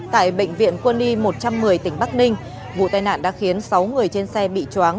tại bệnh viện quân y một trăm một mươi tỉnh bắc ninh vụ tai nạn đã khiến sáu người trên xe bị chóng